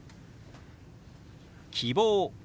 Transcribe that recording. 「希望」。